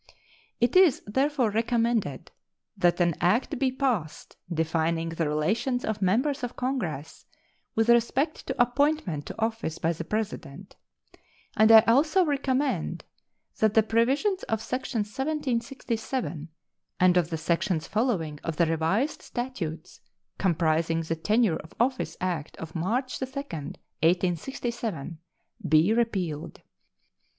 It is therefore recommended that an act be passed defining the relations of members of Congress with respect to appointment to office by the President; and I also recommend that the provisions of section 1767 and of the sections following of the Revised Statutes, comprising the tenure of office act of March 2, 1867, be repealed.